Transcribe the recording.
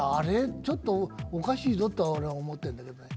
ちょっとおかしいぞと思ってるんだけど。